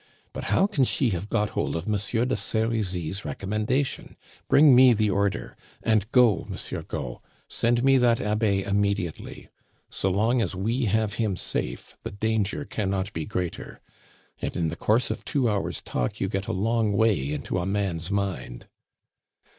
But how can she have got hold of Monsieur de Serizy's recommendation? Bring me the order and go, Monsieur Gault; send me that Abbe immediately. So long as we have him safe, the danger cannot be greater. And in the course of two hours' talk you get a long way into a man's mind."